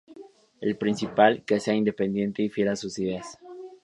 El principal: que sea independiente y fiel a sus ideas.